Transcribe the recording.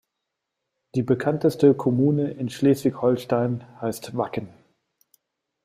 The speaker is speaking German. Die bekannteste Kommune in Schleswig-Holstein heißt Wacken.